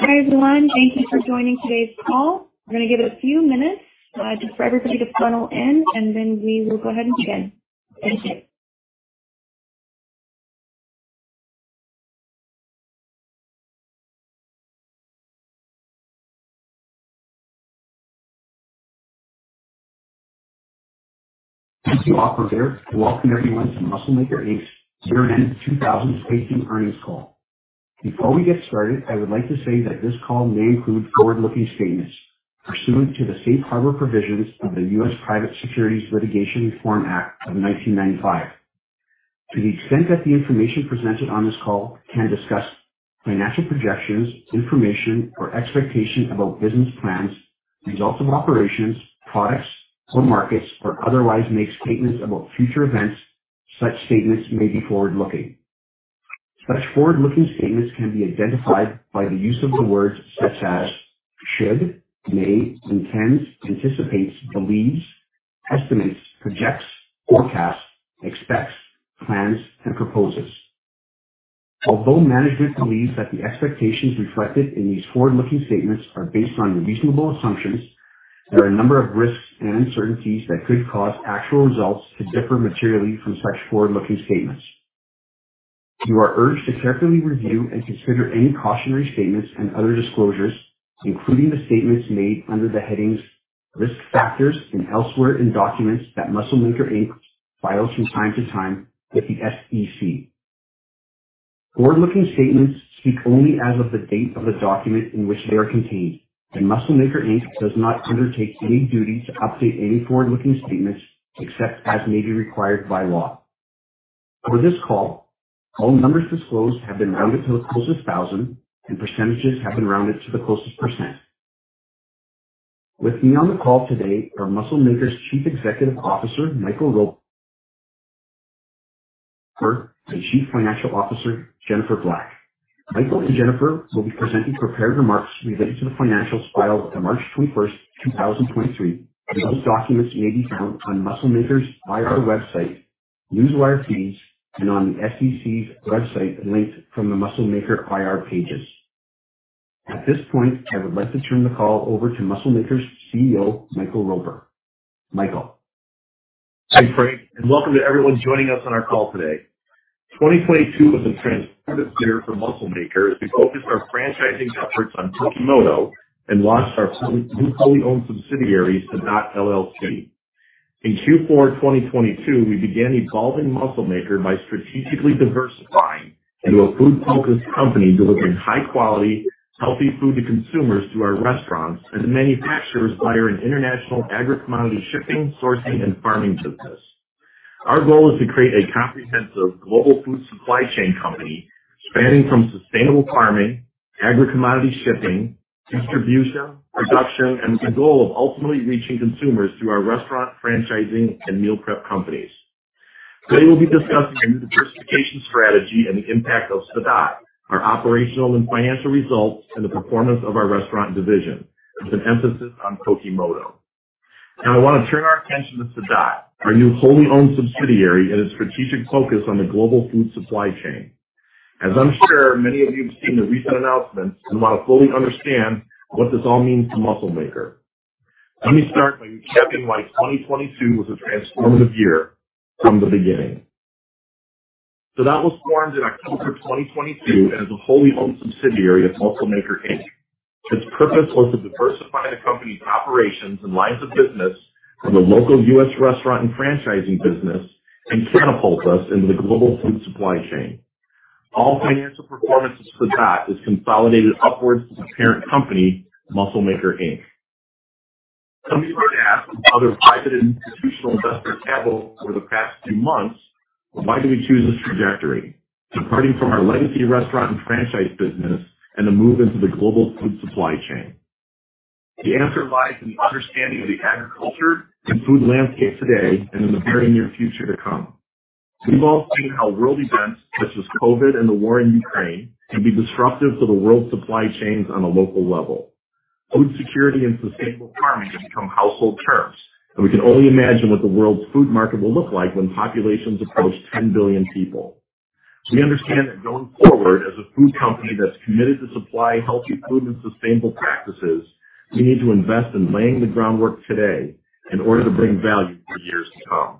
Hi, everyone. Thank you for joining today's call. We're gonna give it a few minutes, just for everybody to funnel in, and then we will go ahead and begin. Thank you. Thank you, operator. Welcome, everyone, to Muscle Maker, Inc.'s year-end 2018 earnings call. Before we get started, I would like to say that this call may include forward-looking statements pursuant to the Safe Harbor provisions of the U.S. Private Securities Litigation Reform Act of 1995. To the extent that the information presented on this call can discuss financial projections, information, or expectation about business plans, results of operations, products, or markets, or otherwise make statements about future events, such statements may be forward-looking. Such forward-looking statements can be identified by the use of the words such as should, may, intends, anticipates, believes, estimates, projects, forecasts, expects, plans, and proposes. Although management believes that the expectations reflected in these forward-looking statements are based on reasonable assumptions, there are a number of risks and uncertainties that could cause actual results to differ materially from such forward-looking statements. You are urged to carefully review and consider any cautionary statements and other disclosures, including the statements made under the headings Risk Factors and elsewhere in documents that Muscle Maker, Inc. files from time to time with the SEC. Forward-looking statements speak only as of the date of the document in which they are contained, and Muscle Maker, Inc. does not undertake any duty to update any forward-looking statements except as may be required by law. For this call, all numbers disclosed have been rounded to the closest thousand, and percentages have been rounded to the closest %. With me on the call today are Muscle Maker's Chief Executive Officer, Michael Roper, and Chief Financial Officer, Jennifer Black. Michael and Jennifer will be presenting prepared remarks related to the financials filed on March 21st, 2023. Those documents may be found on Muscle Maker's IR website, Newswire feeds, and on the SEC's website linked from the Muscle Maker IR pages. At this point, I would like to turn the call over to Muscle Maker's CEO, Michael Roper. Michael. Hi, Frank, and welcome to everyone joining us on our call today. 2022 was a transformative year for Muscle Maker as we focused our franchising efforts on Pokémoto and launched our new fully owned subsidiary, Sadot LLC. In Q4 2022, we began evolving Muscle Maker by strategically diversifying into a food-focused company delivering high-quality, healthy food to consumers through our restaurants and manufacturers via an international agri-commodity shipping, sourcing, and farming business. Our goal is to create a comprehensive global food supply chain company spanning from sustainable farming, agri-commodity shipping, distribution, production, and with the goal of ultimately reaching consumers through our restaurant franchising and meal prep companies. Today, we'll be discussing our new diversification strategy and the impact of Sadot, our operational and financial results, and the performance of our restaurant division with an emphasis on Pokémoto. I wanna turn our attention to Sadot, our new wholly owned subsidiary, and its strategic focus on the global food supply chain. I'm sure many of you have seen the recent announcements and want to fully understand what this all means to Muscle Maker. Let me start by capping why 2022 was a transformative year from the beginning. Sadot was formed in October 2022 as a wholly owned subsidiary of Muscle Maker, Inc. Its purpose was to diversify the company's operations and lines of business from the local U.S. restaurant and franchising business and catapult us into the global food supply chain. All financial performance of Sadot is consolidated upwards to the parent company, Muscle Maker, Inc. Some may start to ask, other private institutional investors have over the past 2 months, why do we choose this trajectory? Departing from our legacy restaurant and franchise business and a move into the global food supply chain. The answer lies in the understanding of the agriculture and food landscape today and in the very near future to come. We've all seen how world events such as COVID and the war in Ukraine can be disruptive to the world's supply chains on a local level. Food security and sustainable farming have become household terms, we can only imagine what the world's food market will look like when populations approach 10 billion people. We understand that going forward as a food company that's committed to supply healthy food and sustainable practices, we need to invest in laying the groundwork today in order to bring value for years to come.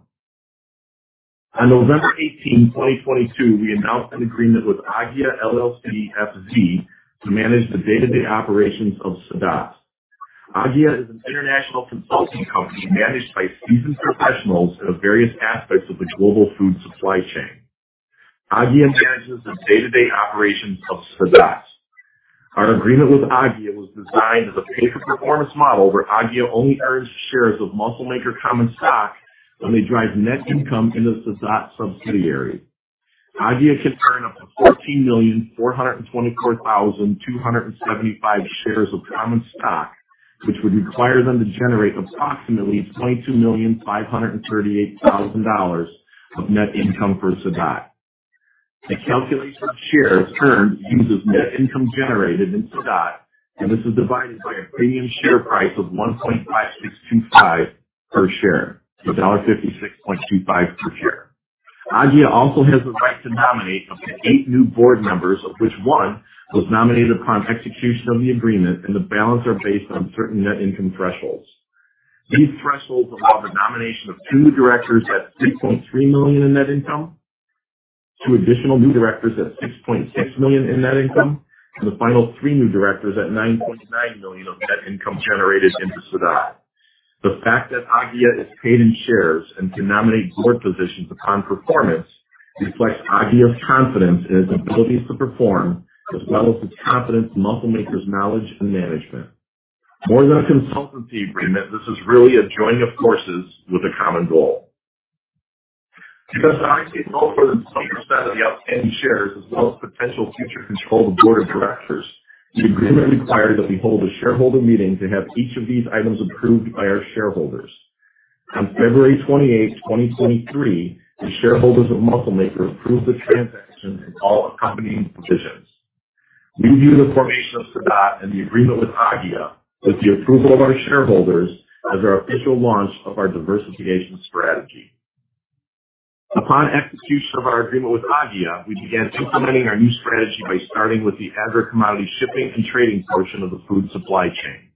On November 18th, 2022, we announced an agreement with AGGIA LLC FZ to manage the day-to-day operations of Sadot. AGGIA is an international consulting company managed by seasoned professionals of various aspects of the global food supply chain. AGGIA manages the day-to-day operations of Sadot. Our agreement with AGGIA was designed as a pay-for-performance model, where AGGIA only earns shares of Muscle Maker common stock when they drive net income into the Sadot subsidiary. AGGIA can earn up to 14,424,275 shares of common stock, which would require them to generate approximately $22.538 million of net income for Sadot. The calculation of shares earned uses net income generated in Sadot, and this is divided by a premium share price of $1.5625 per share to $1.5625 per share. AGGIA also has the right to nominate up to 8 new board members, of which 1 was nominated upon execution of the agreement, and the balance are based on certain net income thresholds. These thresholds allow the nomination of 2 new directors at $3.3 million in net income, 2 additional new directors at $6.6 million in net income, and the final 3 new directors at $9.9 million of net income generated into Sadot. The fact that AGGIA is paid in shares and can nominate board positions upon performance reflects AGGIA's confidence in its ability to perform as well as its confidence in Muscle Maker's knowledge and management. More than a consultancy agreement, this is really a joining of courses with a common goal. Because AGGIA held more than 20% of the outstanding shares as well as potential future control of the board of directors, the agreement required that we hold a shareholder meeting to have each of these items approved by our shareholders. On February 28, 2023, the shareholders of Muscle Maker approved the transaction and all accompanying provisions. We view the formation of Sadot and the agreement with AGGIA with the approval of our shareholders as our official launch of our diversification strategy. Upon execution of our agreement with AGGIA, we began implementing our new strategy by starting with the agri commodity shipping and trading portion of the food supply chain.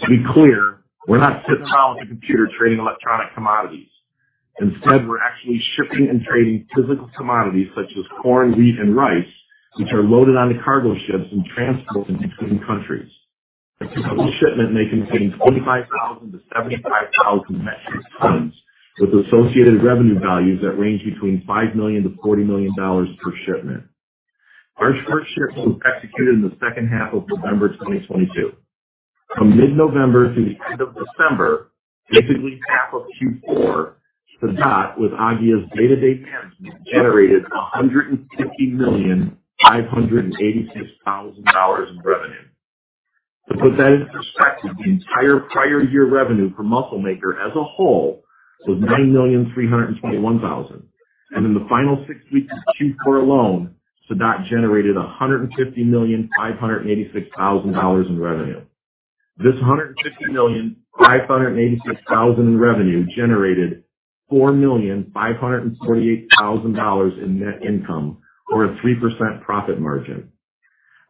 To be clear, we're not sitting at home at the computer trading electronic commodities. Instead, we're actually shipping and trading physical commodities such as corn, wheat, and rice, which are loaded onto cargo ships and transported between countries. A typical shipment may contain 25,000-75,000 metric tons with associated revenue values that range between $5 million-$40 million per shipment. Our first shipment was executed in the second half of November 2022. From mid-November through the end of December, basically half of Q4, Sadot with AGGIA's day-to-day management generated $150,586,000 in revenue. To put that in perspective, the entire prior year revenue for Muscle Maker as a whole was $9,321,000. In the final six weeks of Q4 alone, Sadot generated $150,586,000 in revenue. This $150,586,000 in revenue generated $4,548,000 in net income or a 3% profit margin.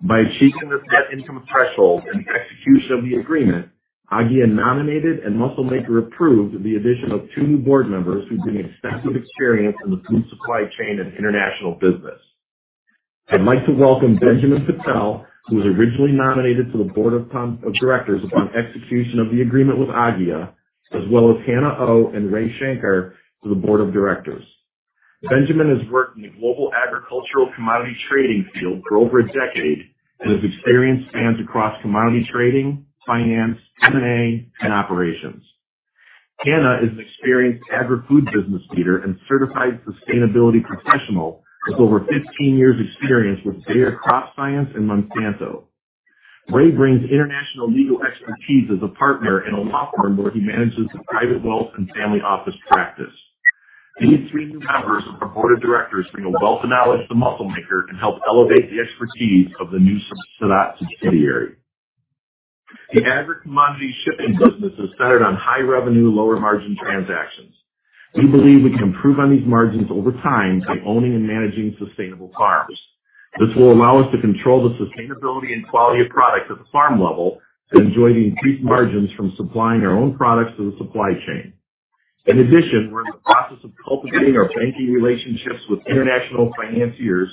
By achieving this net income threshold and execution of the agreement, AGGIA nominated and Muscle Maker approved the addition of 2 new board members who bring extensive experience in the food supply chain and international business. I'd like to welcome Benjamin Patel, who was originally nominated to the board of directors upon execution of the agreement with AGGIA, as well as Hannah Oh and Ray Shankar to the Board of Directors. Benjamin has worked in the global agricultural commodity trading field for over a decade and his experience spans across commodity trading, finance, M&A, and operations. Hannah is an experienced agri-food business leader and certified sustainability professional with over 15 years’ experience with Bayer Crop Science and Manto. Ray brings international legal expertise as a partner in a law firm where he manages the private wealth and family office practice. These three new members of our board of directors bring a wealth of knowledge to Muscle Maker and help elevate the expertise of the new Sadot subsidiary. The agri commodity shipping business is centered on high revenue, lower margin transactions. We believe we can improve on these margins over time by owning and managing sustainable farms. This will allow us to control the sustainability and quality of products at the farm level, and enjoy the increased margins from supplying our own products to the supply chain. In addition, we're in the process of cultivating our banking relationships with international financiers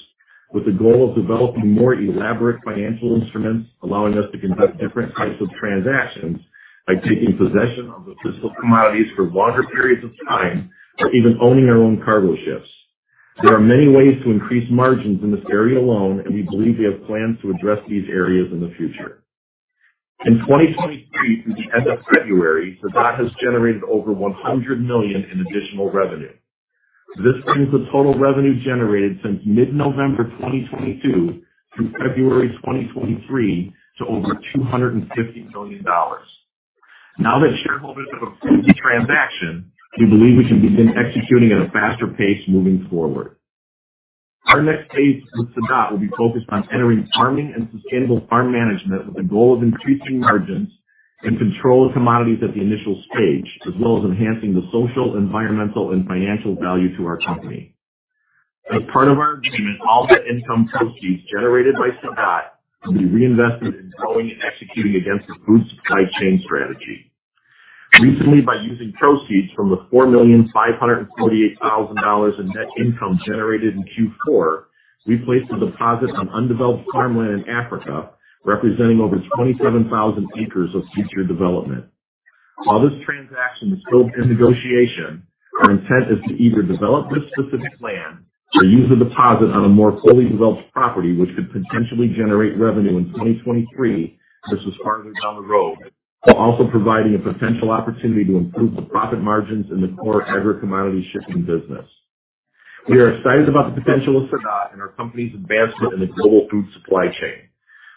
with the goal of developing more elaborate financial instruments, allowing us to conduct different types of transactions, like taking possession of the physical commodities for longer periods of time, or even owning our own cargo ships. There are many ways to increase margins in this area alone, and we believe we have plans to address these areas in the future. In 2023 through the end of February, Sadot has generated over $100 million in additional revenue. This brings the total revenue generated since mid-November 2022 through February 2023 to over $250 million. Now that shareholders have approved the transaction, we believe we can begin executing at a faster pace moving forward. Our next phase with Sadot will be focused on entering farming and sustainable farm management with the goal of increasing margins and control of commodities at the initial stage, as well as enhancing the social, environmental, and financial value to our company. As part of our agreement, all net income proceeds generated by Sadot will be reinvested in growing and executing against the food supply chain strategy. Recently, by using proceeds from the $4,548,000 in net income generated in Q4, we placed a deposit on undeveloped farmland in Africa, representing over 27,000 acres of future development. While this transaction is still in negotiation, our intent is to either develop this specific land or use the deposit on a more fully developed property, which could potentially generate revenue in 2023 versus farther down the road, while also providing a potential opportunity to improve the profit margins in the core agri commodity shipping business. We are excited about the potential of Sadot and our company's advancement in the global food supply chain.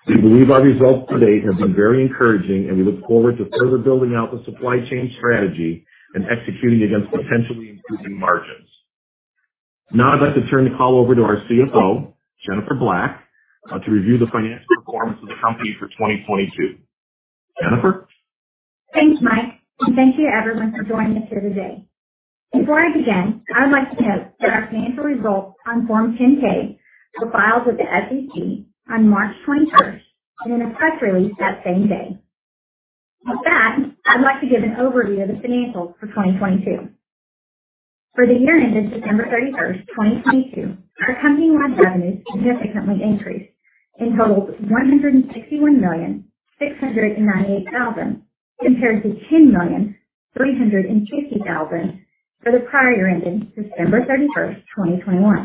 We believe our results to date have been very encouraging, and we look forward to further building out the supply chain strategy and executing against potentially improving margins. I'd like to turn the call over to our CFO, Jennifer Black, to review the financial performance of the company for 2022. Jennifer? Thanks, Mike. Thank you everyone for joining us here today. Before I begin, I would like to note that our financial results on Form 10-K were filed with the SEC on March 21 and in a press release that same day. With that, I'd like to give an overview of the financials for 2022. For the year ended December 31st, 2022, our company-wide revenues significantly increased and totaled $161,698,000, compared to $10,350,000 for the prior year ending December 31, 2021.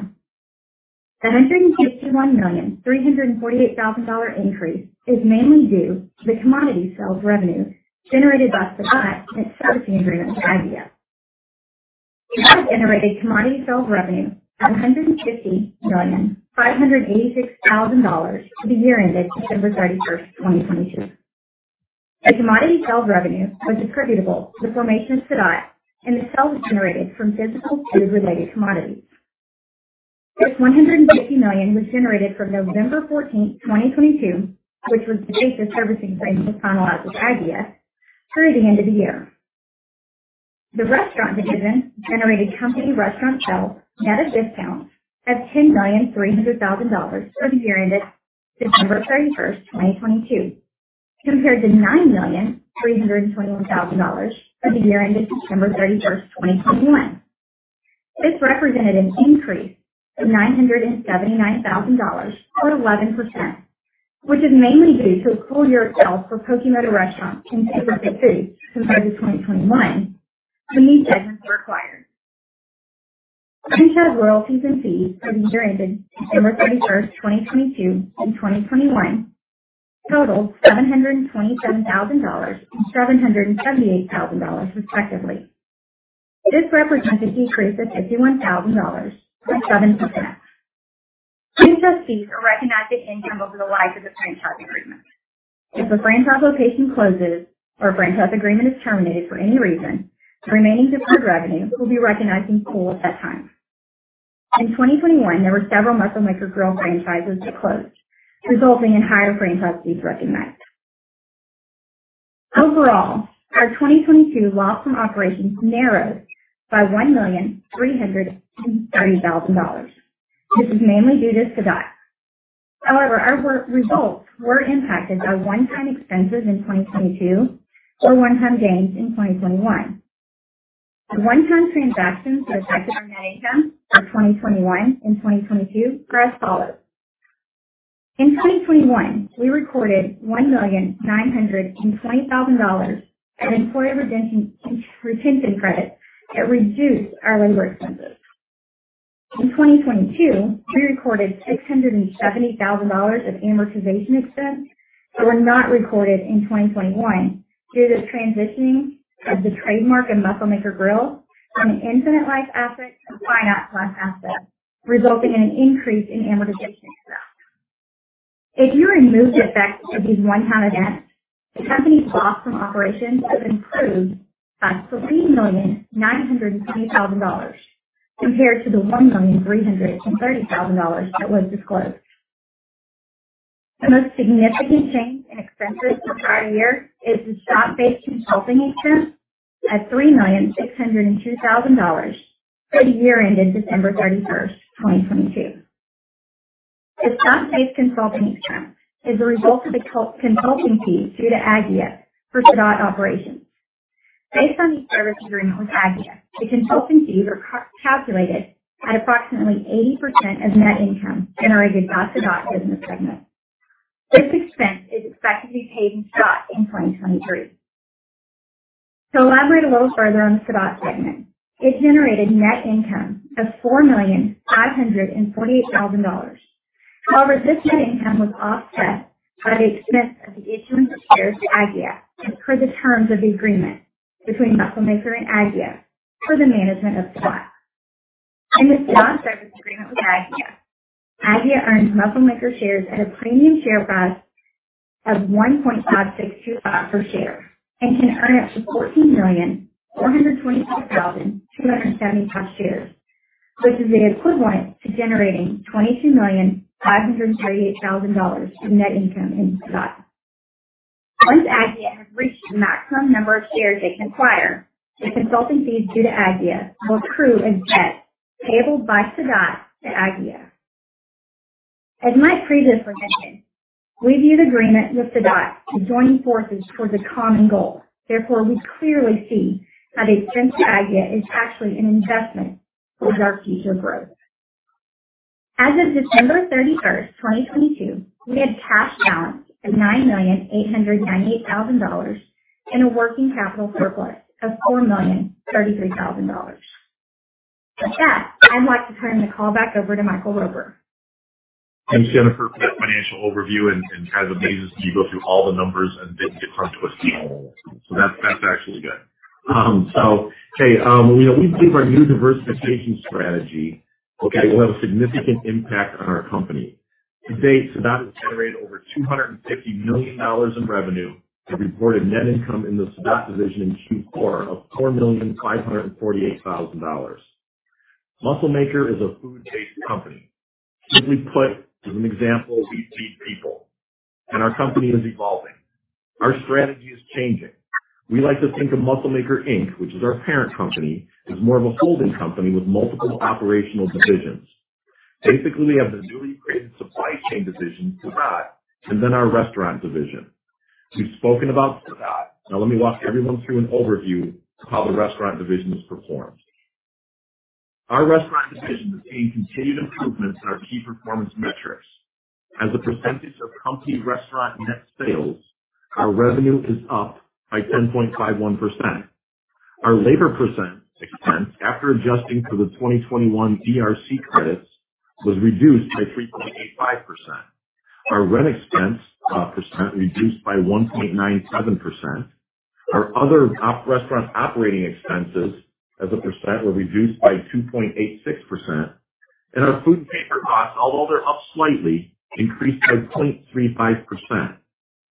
The $161,348,000 increase is mainly due to the commodity sales revenues generated by Sadot and its servicing agreement with AGGIA. Sadot generated commodity sales revenue of $150,586,000 for the year ended December 31, 2022. The commodity sales revenue was attributable to the formation of Sadot and the sales generated from physical food-related commodities. This $150 million was generated from November fourteenth, 2022, which was the date the servicing agreement was finalized with AGGIA through the end of the year. The restaurant division generated company restaurant sales at a discount of $10,300,000 for the year ended December 31, 2022, compared to $9,321,000 for the year ended December 31, 2021. This represented an increase of $979,000 or 11%, which is mainly due to a full year of sales for Pokémoto Restaurant in Sandy, Utah compared to 2021 when these segments were acquired. Franchise royalties and fees for the year ended December 31st, 2022 and 2021 totaled $727,000 and $778,000, respectively. This represents a decrease of $51,000 or 7%. Franchise fees are recognized as income over the life of the franchise agreement. If a franchise location closes or a franchise agreement is terminated for any reason, the remaining deferred revenue will be recognized in full at that time. In 2021, there were several Muscle Maker Grill franchises that closed, resulting in higher franchise fees recognized. Overall, our 2022 loss from operations narrowed by $1.33 million. This is mainly due to Sadot. Our re-results were impacted by one-time expenses in 2022 or one-time gains in 2021. The one-time transactions that affected our net income for 2021 and 2022 are as follows: In 2021, we recorded $1.92 million of employee retention credit that reduced our labor expenses. In 2022, we recorded $670,000 of amortization expense that were not recorded in 2021 due to transitioning of the trademark of Muscle Maker Grill from an infinite life asset to a finite life asset, resulting in an increase in amortization expense. If you remove the effects of these one-time events, the company's loss from operations would improve by $3,950,000 compared to the $1,330,000 that was disclosed. The most significant change in expenses for the prior year is the stock-based consulting expense at $3,602,000 for the year ended December 31, 2022. The stock-based consulting expense is the result of the consulting fees due to AGGIA for Sadot operations. Based on the service agreement with AGGIA, the consulting fees are calculated at approximately 80% of net income generated by Sadot's business segment. This expense is expected to be paid in stock in 2023. To elaborate a little further on the Sadot segment, it generated net income of $4,548,000. This net income was offset by the expense of the issuance of shares to AGGIA per the terms of the agreement between Muscle Maker and AGGIA for the management of Sadot. Under the stock service agreement with AGGIA earns Muscle Maker shares at a premium share price of $1.5625 per share and can earn up to 14,422,275 shares, which is the equivalent to generating $22,538,000 in net income in Sadot. Once AGGIA has reached the maximum number of shares they can acquire, the consulting fees due to AGGIA will accrue as debt payable by Sadot to AGGIA. As Mike previously mentioned, we view the agreement with Sadot as joining forces towards a common goal. We clearly see how the expense to AGGIA is actually an investment towards our future growth. As of December 31, 2022, we had cash balance of $9,898,000 and a working capital surplus of $4,033,000. With that, I'd like to turn the call back over to Michael Roper. Thanks, Jennifer, for that financial overview. It kind of amazes me you go through all the numbers and didn't get card twisted. That's actually good. You know, we believe our new diversification strategy, okay, will have a significant impact on our company. To date, Sadot has generated over $250 million in revenue and reported net income in the Sadot division in Q4 of $4,548,000. Muscle Maker is a food-based company. Simply put, as an example, we feed people. Our company is evolving. Our strategy is changing. We like to think of Muscle Maker Inc., which is our parent company, as more of a holding company with multiple operational divisions. Basically, we have the newly created supply chain division, Sadot, and then our restaurant division. We've spoken about Sadot. Now let me walk everyone through an overview of how the restaurant division has performed. Our restaurant division is seeing continued improvements in our key performance metrics. As a percentage of company restaurant net sales, our revenue is up by 10.51%. Our labor percent expense, after adjusting for the 2021 ERC credits, was reduced by 3.85%. Our rent expense, percent reduced by 1.97%. Our other op restaurant operating expenses as a percent were reduced by 2.86%. Our food and paper costs, although they're up slightly, increased by 0.35%.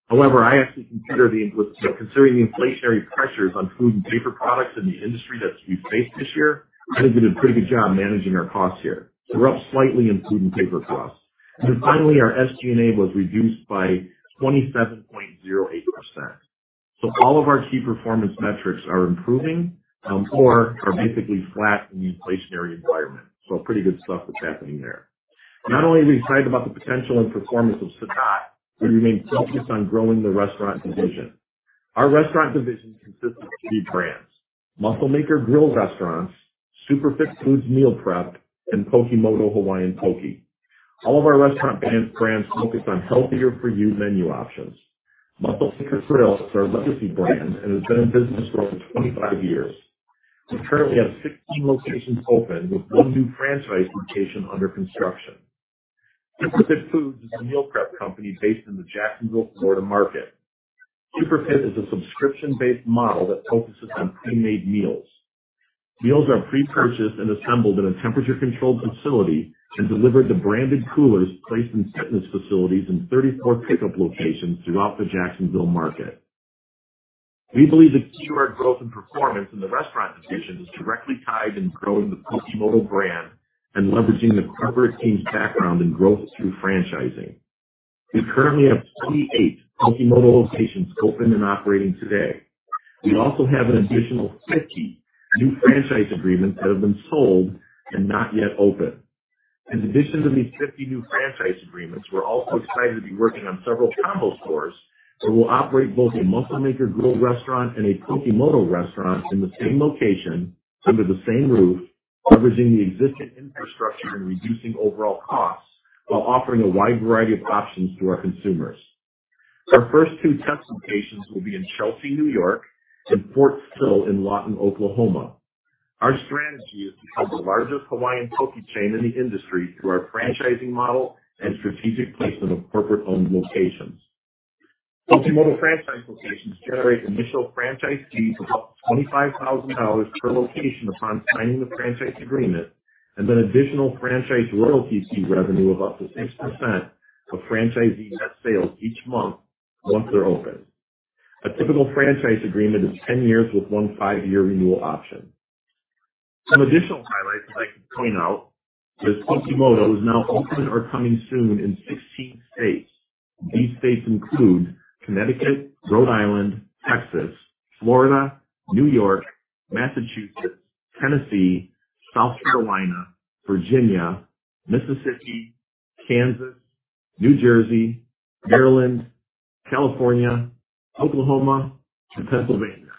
However, I actually considering the inflationary pressures on food and paper products in the industry that we faced this year, I think we did a pretty good job managing our costs here. We're up slightly in food and paper costs. Our SG&A was reduced by 27.08%. All of our key performance metrics are improving, or are basically flat in the inflationary environment. Pretty good stuff that's happening there. Not only are we excited about the potential and performance of Sadot, we remain focused on growing the restaurant division. Our restaurant division consists of three brands: Muscle Maker Grill restaurants, Superfit Foods meal prep, and Pokémoto Hawaiian Poké. All of our restaurant brands focus on healthier for you menu options. Muscle Maker Grill is our legacy brand and has been in business for over 25 years. We currently have 16 locations open with one new franchise location under construction. Superfit Foods is a meal prep company based in the Jacksonville, Florida, market. Superfit is a subscription-based model that focuses on pre-made meals. Meals are pre-purchased and assembled in a temperature-controlled facility and delivered to branded coolers placed in fitness facilities in 34 pickup locations throughout the Jacksonville market. We believe the key to our growth and performance in the restaurant division is directly tied in growing the Pokémoto brand and leveraging the corporate team's background and growth through franchising. We currently have 28 Pokémoto locations open and operating today. We also have an additional 50 new franchise agreements that have been sold and not yet open. In addition to these 50 new franchise agreements, we're also excited to be working on several combo stores where we'll operate both a Muscle Maker Grill restaurant and a Pokémoto restaurant in the same location under the same roof, leveraging the existing infrastructure and reducing overall costs while offering a wide variety of options to our consumers. Our first two test locations will be in Chelsea, New York, and Fort Sill in Lawton, Oklahoma. Our strategy is to become the largest Hawaiian Poké chain in the industry through our franchising model and strategic placement of corporate-owned locations. Pokémoto franchise locations generate initial franchise fees of up to $25,000 per location upon signing the franchise agreement and an additional franchise royalties fee revenue of up to 6% of franchisee net sales each month once they're open. A typical franchise agreement is 10 years with 1 five-year renewal option. Some additional highlights I'd like to point out is Pokémoto is now open or coming soon in 16 states. These states include Connecticut, Rhode Island, Texas, Florida, New York, Massachusetts, Tennessee, South Carolina, Virginia, Mississippi, Kansas, New Jersey, Maryland, California, Oklahoma, and Pennsylvania.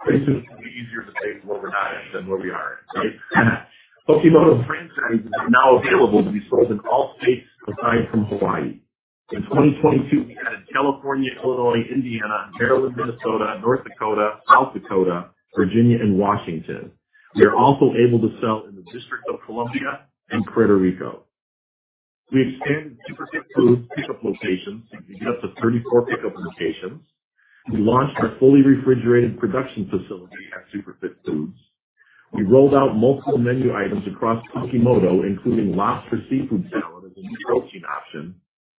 Pretty soon it's gonna be easier to say where we're not than where we are, right? Pokémoto franchises are now available to be sold in all states aside from Hawaii. In 2022, we added California, Illinois, Indiana, Maryland, Minnesota, North Dakota, South Dakota, Virginia, and Washington. We are also able to sell in the District of Columbia and Puerto Rico. We expanded Superfit Foods pickup locations up to 34 pickup locations. We launched our fully refrigerated production facility at Superfit Foods. We rolled out multiple menu items across Pokémoto, including lobster seafood salad as a new protein option,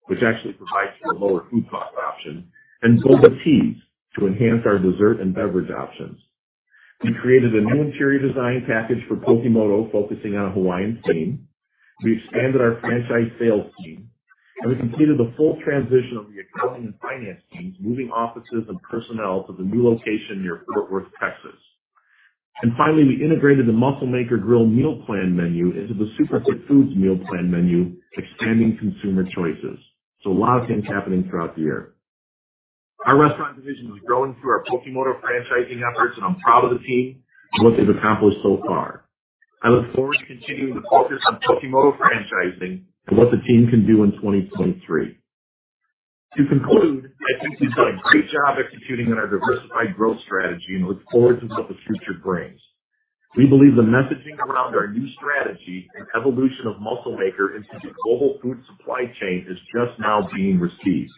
which actually provides for a lower food cost option, and boba teas to enhance our dessert and beverage options. We created a new interior design package for Pokémoto, focusing on a Hawaiian theme. We expanded our franchise sales team, and we completed the full transition of the accounting and finance teams, moving offices and personnel to the new location near Fort Worth, Texas. Finally, we integrated the Muscle Maker Grill meal plan menu into the Superfit Foods meal plan menu, expanding consumer choices. A lot of things happening throughout the year. Our restaurant division is growing through our Pokémoto franchising efforts, and I'm proud of the team and what they've accomplished so far. I look forward to continuing to focus on Pokémoto franchising and what the team can do in 2023. To conclude, I think we've done a great job executing on our diversified growth strategy and look forward to what the future brings. We believe the messaging around our new strategy and evolution of Muscle Maker into the global food supply chain is just now being received.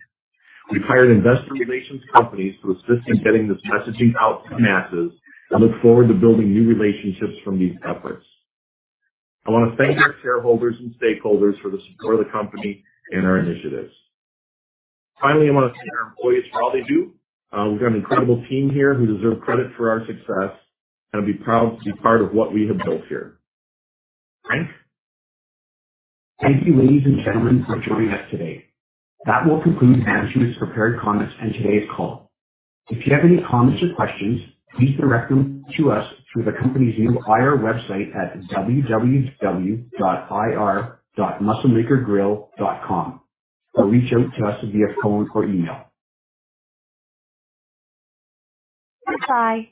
We've hired investor relations companies to assist in getting this messaging out to masses and look forward to building new relationships from these efforts. I wanna thank our shareholders and stakeholders for the support of the company and our initiatives. Finally, I wanna thank our employees for all they do. We've got an incredible team here who deserve credit for our success and be proud to be part of what we have built here. Frank? Thank you, ladies and gentlemen, for joining us today. That will conclude management's prepared comments and today's call. If you have any comments or questions, please direct them to us through the company's new IR website at www.ir.musclemakergrill.com. Reach out to us via phone or email. Bye bye.